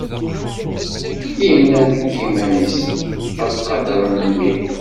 Inna deg yiman-is: Ad qadṛen mmi.